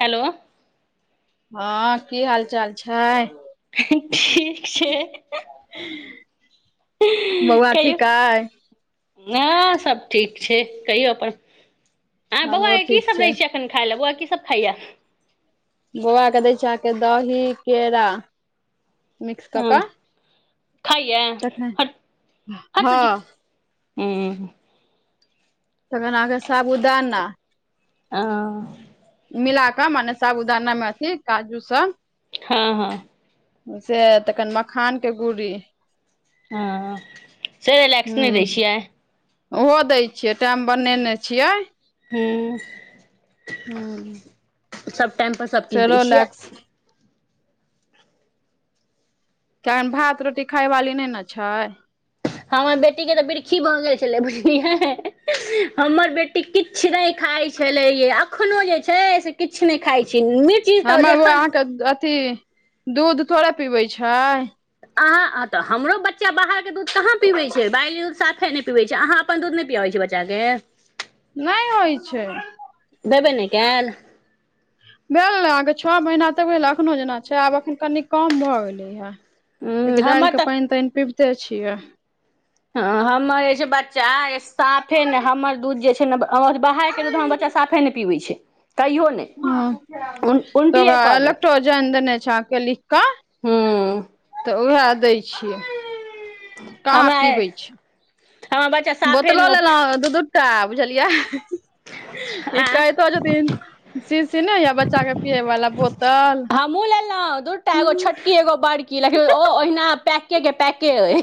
Hello. हँ की हाल चाल छै? ठीक छी। बौआ कहियौ ठीक अछि। हँ सब ठीक छै। कहियौ अपन? ऐं, बौआ हमरो के की ठीक सभ दो छै छियै एखन खाय ले, बौआ की सभ खाइये? बौआ के दै छी अहाॅंकेॅं दही केरा मिक्स कऽ कऽ। खाइए ह तखन हट हट बेटी, हँ हुं। तखैन अहाँके साबुदाना। [inaudible] मिला कऽ मने साबुदाना मे अथि काजू सब। हँ - हँ। से तऽखेन मखान के गुड़ी। ह सेरेलेक्स नहि दै हूँ छियै? ओहो दै छियै, टाइम बनेने छियै। हूँ हूं सब टाइम पर सब किछु दै छियै चलोलैक्स। कन भात रोटी खायवाली नैने छै। हमर बेटी के तऽ बिरखी भऽ गेल छलै बुझलिय हमर बेटी टी किछ नै खाइ छलै यै अखनो जे छै से किछु नहि खाइ छै मिट। हमर बौआ अहाँके अथी दूध थोड़े पिबैत छै। अहाँ तऽ हमरो बच्चा बाहर के दूध कहाँ पीबै छै बैली दूध साफे नहि पीबै छै अहाँ अपन दूध नहि पियाबै छियै बच्चा के। नहि होइ छै। देबे नहि कयल भेल ने अके छओ महीना तक भेल एखनो जेना छै आब एखन कनि कम भऽ गेलै हे। ह जेकि दालि हमर के तऽ पानि तानि पीबिते छियै। ह हमर जे छै बच्चा साफे ने हमर दूध जे छै ने आ बाहर के दूध हमर बच्चा साफे नहि पीबै छै कहियो नहि। ह उन तऽ उल्टिए ओकरा कऽ देत लैक्टोजैन देने छै आके लिख कऽ। हूँ तऽ उएह दै छियै कहाँ हमरा पीबै छै। हमर बच्चा साफे बोतलो नहि ओ लेलहु दू -दूटा बुझलियै ई कह आँय कहे छथिन शीशी नै हौया बच्चा के पियएवला बह हमहूँ लेलहुँ दूटा एगो छोटकी एगो बड़की लेकिन ओ ओहिना पैक पैकै के पैके अए।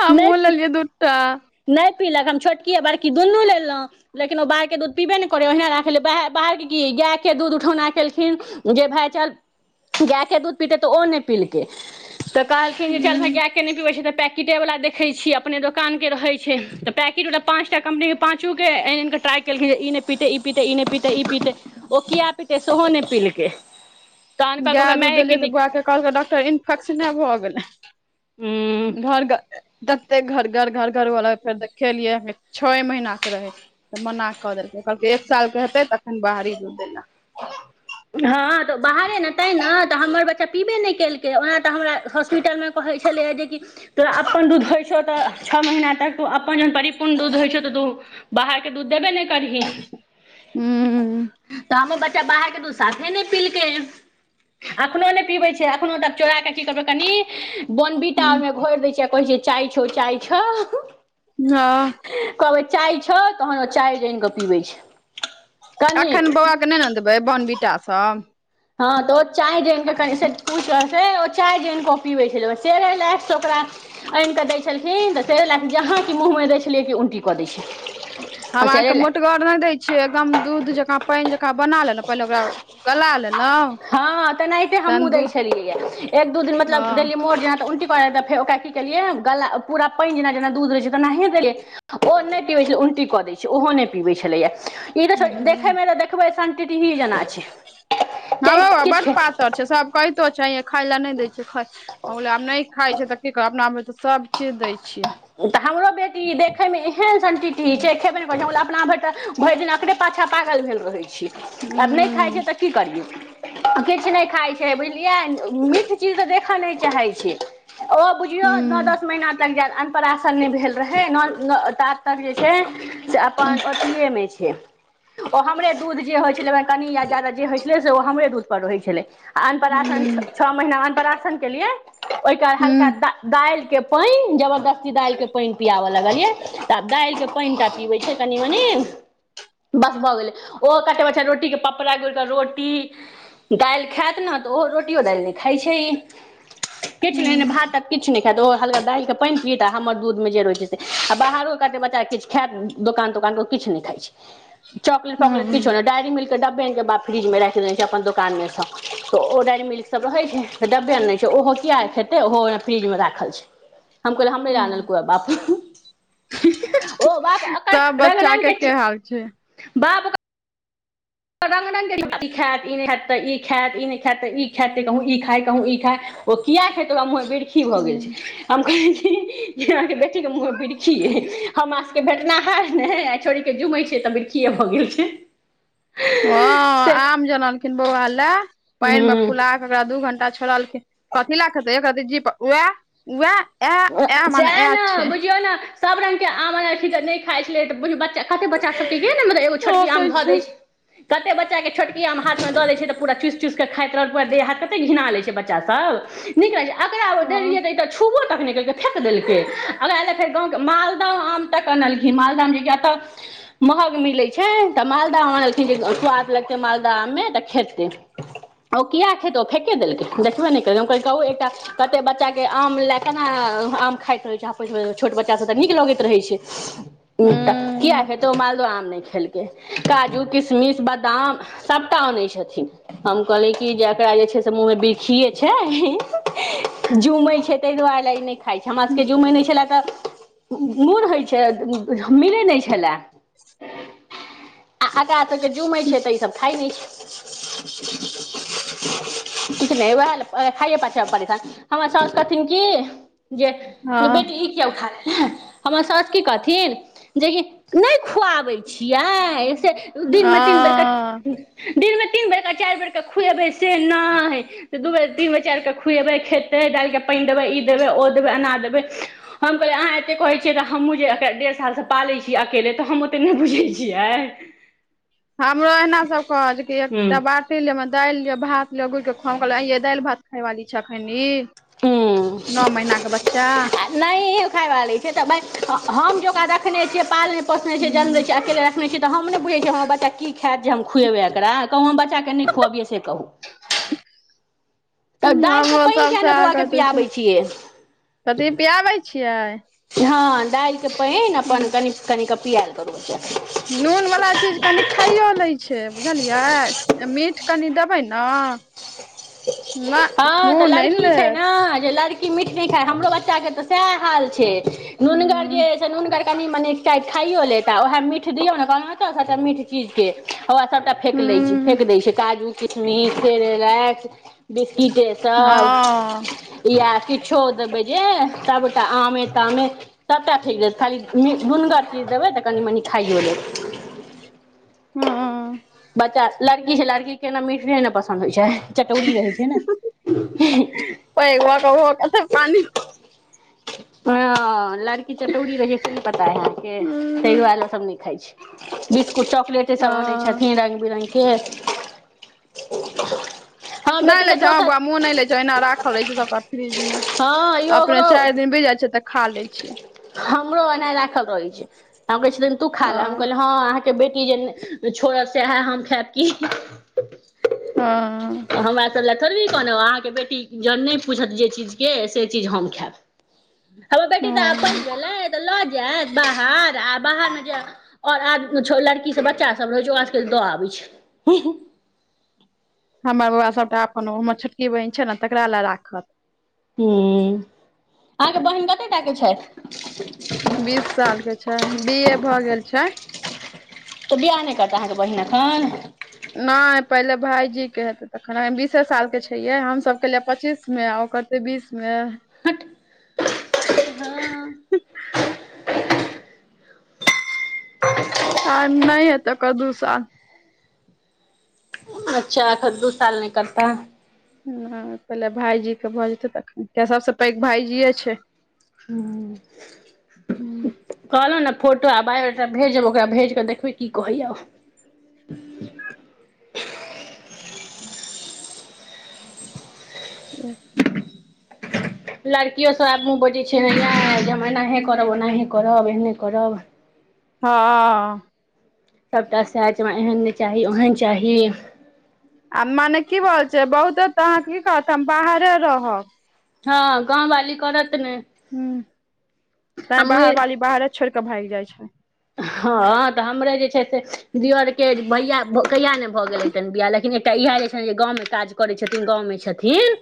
हमहूं लेलियए दूटा। नै पीलक हम छोटकी आ बड़की दुनू लेलहुँ। लेकिन ओ बाहरके दूध पीबे नहि करै ओहिना राखै बाहरके की गायके दूध उठौना केलखिन। जे भए चल गाायके दूध पीतै तऽ ओ नहि पिलकै। तऽ कहलखिन जे चल भाय गाय के नहि पिबै छै तऽ पैकेटे वाला देखैत छीयै अपने दोकान के रहै छै तऽ पैकैट वला पाँचटा कम्पनी के पाँचू के आइन के ट्राई केलखिन ई पीते ई पीते ई नै पीते ई पीते ओ किया पीते सेहो नहि पीलकै। तहन कहलकै गाय ओकरा दूध देलयै मायके तऽ नीक बौआ के कहलकै डॉक्टर इन्फेक्शने भऽ गेलै उम्म घर- एते घर- घर -घर -घर वला फेर देखेलियै छओ महीना से रहे। तऽ मना कऽ देलकै कहलकै एक सालके हेतै तखन बाहरी दुध दैलै। हँ तऽ बाहरे नेे तैं ने तऽ हमर बच्चा पीबे नहि केलकै। के ओना तऽ हमरा हॉस्पिटलमे कहै छलैय जेकि तोरा अपन दूध होइ छौ तऽ छओ महीना तक त अपन जन परिपूर्ण दूध होइ छै त तू बाहर के दूध देबे ने हू। तऽ हमर बच्चा बाहरके तू साफे नै पीलके। एखनहु नहि पीबै छै एखनहु तब चोराऽ की करबै कनि बोनबिटा ओहिमे घोरि दै छिये कहै छियै चाय छौ चाय छौ। हँ। कहबै चाय छ तहन ओ चाय जान कऽ पीबै छै। कनिक एखन बौआके नहि ने देबै बानबीटा सब। हँ तऽ ओ चाय जान कऽ कनि से, पूछ के ओ चाय जान के पिबै छलै, सेरेलेक्स ओकरा आनि कऽ दै छलखिन तऽ, सेरेलेक्स जहाँ कि मुँहमे दै छलियै कि उल्टी कऽ दैत छलै। हम अहाँके मोटगर नहि दै छी। छियै एकदम दूध जेका, पानि जेका बना लेलो पहिले ओकरा गला लेलो। हँ तेनाहिते हमहहुँ दै छलियै, एक दू दिन मतलब हँ देली मोट जेका, त उ त फेर ओकरा की केलियै गला, पूरा पानि जेना- जेना दूध रहै छै, तेनाहे देलियै। ओ नहि पिबैत छलै, उलटी कऽ दैत छै, ओहो नहि पीबैत छलैए। ई तऽ बुझलियै देखैमे तऽ, देखबै शन -टिटही जेना छै। हँ किया हमरो बौआ बड किछु पातर छै, सब कहितो छै आइये खााय लए नहि दै छै, आब नहि खाइ छै तऽ क करब, अपना भैर त सब चीज दै छियै। तऽ हमरो बेटी देखेमे एहन सन टीटही छै, खेबे नहि कर छै अपना भैर त भरि दिन एकरे पाछाँ पागल भेल रहैत छी, आब नहि खाइ हूँ छ तऽ की करियै। किछु नहि खाइत छै बुझलियै, मीठ चीज तऽ देखय नहि चाहैत छै। ओ बुझियो, नओ हूँ दस महिना तक जायत अन्- स, नहि भेल रहै, न ता तक जे छै से अपन ओथिएमे छै। ओ हमरे दूध जे होइ छलै, ओहि कनि या जादा जे होइ छलै, से ओ हमरे दूधपर रहै छलै। आ अनपराशन छओ महीना अन्पराशनके लिए, ओहिके हल्का दा दालि के पानि जबरदस्त अ दालिके पानि पियाआबऽ लगलियै, तऽ आब दालिक के पानिटा पीबैत छै कनि- मनि। बस भऽ गेलै, ओ कतेक बैर छै, रोटीके पपड़ा गुड़ के रोटी। दालि खैत ने, तऽ ओहो रोटियो- दालि नहि खाइत छै ई। किछु नहि ने, भात- तात किछु नहि खायत, ओ हल्का दालिके पानि पीत, आ हमर दूधमे जे रहै छै से, आ बाहरो करते बच्चा किछु खायत, दोकान- तोकानके किछु नहि खाइ छै। चॉकलट- पॉकलट किछो नइ, डायरी मिल्क डब्बे आइन के बाप फ्रिज में राख देने छै अपन दोकान में सँ, तऽ ओ डेायरी मिल्क सब रहे छै। डब्बे न ने छै ओहो किया खेते, ओहो फ्रिज मे राखल छै। हम कहलियै हमरे ल आनलको बाप ओ बाप सब एकर रंग बच्चा -रंग के ची हाल छै बाप ओकर रङ्ग -रङ्ग इ खैत, ई नहि हयत। तऽ ई खायत ई नहिखैत कह ई खाय ओ किया खेतक ओकरा मु खी भऽ गेल छै। हँ हम कहे छी अहाँ के बेटी के मुह वृखिअय, हमरा सबके भेटनाहार नै छोड़ी झुमै छै तऽ, विर्खीए भऽ गेल छै। हँ, से आम जे अनलखिन बौआ ले, पानि में हूँ फुला एकरा दू घंटा छोड़लखिन, कथीलए खेतै एकरती जीभ पर, वएह वएह। सएह ने बुझियौ ने, सभ रंगक के आम आनखिन त नहि खाइ छलै तऽ, बुझ बच्चा कते बच्चा सब के मतलब एगो छोटकी आम धऽ दै छै, कते बच्चा बच्चाके छोटकी आ हाथ दऽ दै छै तऽ, पूरा चुि चुसि क खाइत रहलड़ै, पूरा देह हाथ कतेक घिना लैत छै बच्चास सब। नीक लैगे छै, एकरा ओ हँ देलियै तऽ छुबो तक नहि केलकै, फेक देलकै, ओकरा लए फेर गाँके मालदह आम तक अनलखिन, मालदहमे जे कि एतऽ महग मिलैत छै, तऽ मालदह आनखिन जे स्वाद लगतै मालदहमे तऽ खेतै। ओ किया खेतै ओ फेके देलकै, देखबे नहि केलकै, हम कहलियै कहु एकटा कते बच्चा के आम ल केना आम खाइत रहै छै, छोट बच्चा सभ तऽ नीक लगैत रहैत छै। एकटा किया हँ खेतौ ओ मालदह आम नहि खेलक। के काजू किशमिश बादाम सभटा अनै छथिन। हम कहली कि जेकरा जे छै से मुँह मे बिरखिये छै झुमै छै, ताहि दुआरे ई नहि खा छै हमरा सभके जूमे नहि छलए तऽ मुर होइ छै मिलै नहि छलए। [inaudible] आ आकरा सब के जुमै छै तऽ ई सब खाइ नहि छै। किछ नहि वएह प खाइए पाछा परेशान हमर सौस की जे बेटी ई किया उठा हमर सौस की कहथिन। जेकि नहि खुआबै छियै सेे दिनमे तीन बेर क हँ दिनमे तीन बेरक चारि बेरके खुएबै से नहि दू बेर तीन बेर चारि बेर खुएबै दैल के पानि देबै ई देबै ओ देबै अना देबै। हम कहलियै अहाँ एते कहैत छियै तऽ हमहूँ जे डेढ़ सालसँ पालै छियै अकेले तऽ हम ओते नहि बुझै छियै हमरो एना सब कहकै हूँ एकटा बात र ले [unintelligible] मे दालि लिअ, भात लिअ, घुरिक खोआउ हम कहलियै आंय यै दालि भात खायवाली छै अखन ई। नओ महीना के बच्चा नहियो खाय बाली छै तऽ हम जे ओकरा देखने छियै पालने पोसने छियै जन्म हूँ देने छियै अकेले [unintelligible] छी तऽ हम नहि बुझै छी हम्मर बच्चा की खायत जे हम खुएबै एकरा कहूँ हम बच्चाके नहि खुअबियै से कहू तऽ दालिके हमरो पानि सब किया नहि सएह बौआ के करते छै पियाबै छियै। कथी पियाबै छियै हँ दालिके पानि अपन कनि कनिक पियाल करू ओकरा नूनवला चीज कनि खाइयो लै छै बुझलियै ज मिठ कनि देबै ने न हँ तऽ मुँह नहि लड़की छै लेत ने जे लड़की मिठ नहि खाय हमरो बच्चा बच्चा के तऽ सएह हाल छै, नुनगर जे हूं अइ नूनगर कनि मनि खायो लेत ओहे मीठ दियौ ने कह [unintelligible] मीठ की छीयै होए सभटा फेक लै छै हूं फेक दै छै काजू किशमिस सेरेलेक बिस्किटे हँ तब इएह किछो देबै जे सबटा आमे तामे सभटा फेक देत खाली नुनगर चीज देबै तऽ कनि मनि खाइयो लेत। हँ बच्चा लड़की छै लड़कीके ने मीठे ने पसन्द होइ छै चटौरी रहै छै ने। प एकग व क कस पानी [unintelligible] हँ लड़की चटौरी रहे छै, से नहि पता अहि अहाँके तहि हूं दुआरे ओ सब नहि खाइ छै बिस्कुट चॉकलेटे सब अनै हँ छथिन रंग बिरंग के [inaudible] नहि बेटी ले तऽ छै हमर दोसर बौआ मुँह नहि लै छै एहिना राखल रहै छै सबटा फ्रिज मे हँ यौ अपने ओकरो चारि दिन बित जाय छै त हमरो एनाहे राखल रहै छै हम कहै छथिन खा हँ ले हम कहलियै हँ आहाँ के के बेटी जे छोड़त सएह हम खायब की हँ तऽ हमरासब लए थड़बे कहलो अहाँके बेटी जहन नहि पूछत जे चीजके से चीज हम खायब हमर बेटी तऽ आब पैघ हँ भेलै तऽ लऽ जायत बाहर आ बाहरमे जायब आओर आज [inaudible] छौ लड़कीसभ बच्चासभ रहै छै ओकरा सभके दऽ आबै छै। हमर बौआ सभटा अपन ओ हमर छोटकी बहिन छै ने तकरा लए राखत। हम्म, अहाँके बहिन कते टा के छैथ? बीस साल के छै, बी ए भऽ गेल छै। तऽ बियाह नहि करता अहाँके बहिन एखन? नैय, पहिले भायजीके हेतै तखन, बीसे सालके छै यै, हम सभ केलियै पच्चीस मे आ ओकर से बीस में? हट हँ। आ नहि हेतै एकर दू साल। अच्छा अखन दू साल नहि करता? नैय पहिले भायजी के भऽ जेतै तखन, कियैकि सबसऽ पैघ भायजीेये छै। हँम्म। कहलौं न फोटो आ बायोडाटा भेजब, ओकरा भेज कऽ देखबै की कलैयाऽ। [inaudible] लड़कियो सभ आब मुँ बजै छै न यै, जे हम एनाहे करब ओनाहे करब एहने करब। हँ। सभटा सैह छै, हमरा एहन नहि चाही, ओहेन चाही। आ मने की भ जेबऽ, बहुते त अहां की कहत हम बाहरे रहब। हँ, गाँम वाली करत नै? ह्म्म, तैंय बाहर बाली बाहरे छोइड़ कऽ भागि जाइ छै। हँ तऽ हमरे जे छै से दीऑर के जे भैया-भ कहिया ने भऽ गेल होतैन बियाह लेकिन ए तऽ इहैय जे छैं जे गाँवमे काज करै छथिन, गाँव में छथिन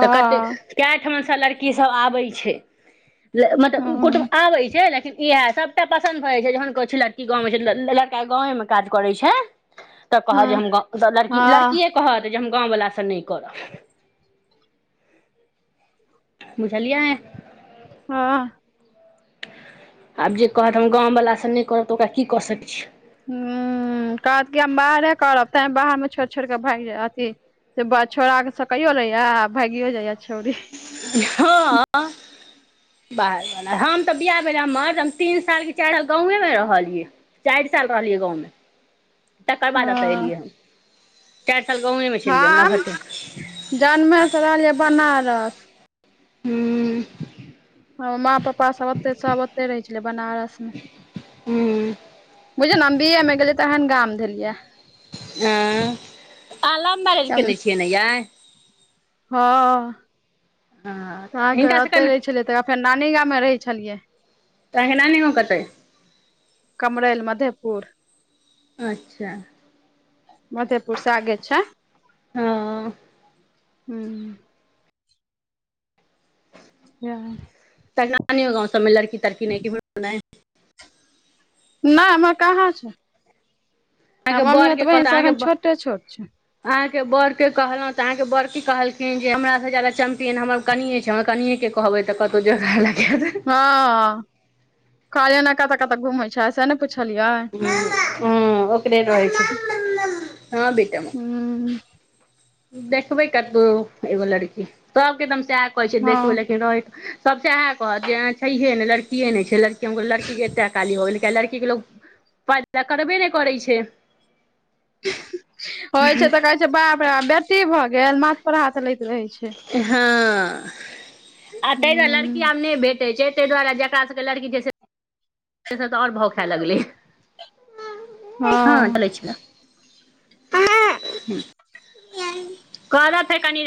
तऽ कतेक कैए ठमा सॅ लड़की सब आबै छै, हँ मतलब कोट आबै छै लेकिन इहै सबटा पसन्द भऽ जाई छै, जहन कहै छै लड़की गाँवमे छै, लड़का गाॅंवैं मे काज करैत छै तऽ कहत जे हम हँ गाॅं हँ लड़की-लड़किए कहत जे हम गाँव वला सँ नैय करबऽ। बुझलियै? हँ। आब जे कहत हम गाँम वला सँ नैय करब तऽ ओकरा की कऽ सकैय छी? ह्म्म कहत कि हम बाहरे करब, तैं बाहर मे छोड़ि-छोड़ि केऽ भागि जाय अथी से बा छौड़ा सब कइयो लैयऽ आ भाइगियो जाइयाऽ छौरी। हॉं। बाहर बला हम तऽ बियाह भेलै हमर, तऽ हम तीन साल कि चारि साल गाँवैं मे रहलियै। चारि साल रहलियै गाँवमे। तकर बाद एतय हँ एलियै हम। चारि साल गाँमे छलियै हम नभट्टे मे। जन्मे सँ रहलियै बनारस। हूँम्म। हमर माँ पप्पा सब ओतेऽ सब ओतेऽ रहै छले बनारस मे। हूम्म। बुझियौ न हम बीऐ मे गेलये तहन गाॅंम धेलियै यऽ। ऐं? अहाॅं लव मैरेज केने छियै न यैइ? हँ। हँ तऽ कहाँके हिनका सबके ओतै ने रहै तऽ छलियै, तकर फेर नानी गाॅंम में रहै छलियै। त आहाॅंक नानी गाँव कतैय अइ? कमरैल, मधेपुर। अच्छा। मधेपुर सँ आगे छै। हँ। हूँ। ह त नानीओ गाॅंव सबमे लड़की-तड़की नहि किम्हरो ने। नहि ईम्हर कहाँ छै। हमर अहाँके ममियौत बड़के कहलक बहिन सब एखन अहाँके छोटे-छोट छै। अहाँके बऽड़ के कहलहुँ तऽ अहाँके बऽड़ की कहलखिन जे हमास से जाादा चैम्पियन हमर कनिये छै हमरा कनियेके कहबै तऽ कतहुॅं जोगार लगा देत। हँ कहलियै ने कतऽ कतऽ घुमै छै से ने पुछलियै। ह हँ ओकरे रहै छै, हँ बेटा। हूँ। देखबै कतहुॅं एगो लड़की सब केतऽ हम सएह कहै छि हँ देखबै लेकिन रहय सब सेऽहे कहत जे ऐं छईहे नै लड़किये नै छै लड़की हम कहलिय लड़की के एत्ते अकाली हो गेलये। किया लड़की के लोग पाइदऽ करबे नै कऽरै छै। होइ छै तऽ कहै छै बाप रे बाप बेटी भऽ गेल माथ पर हाथ लैत रहै छै। हँ आ तहिना लड़की हूँ आब नै भेटय छै। ताहि दुआरे जकरा सबके लड़की छै से जेछैऽसे आओर भाव खाए लगलै ये। हँ [unintelligible] करत है कनी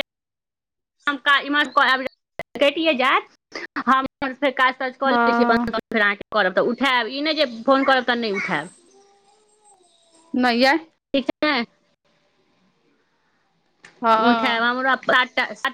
काज इमहर कटिए जायत हम फेर काज ताज कऽ लै छी अपन हँ तहन फेर अहाँकेँ करब तऽ उठायब ई नहि जे फोन करब तऽ नहि उठायब। नहि ये ठीक छै। हँ उठायब हमरा [unintelligible]